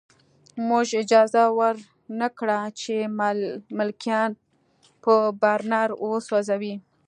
موږ اجازه ورنه کړه چې ملکیان په برنر وسوځوي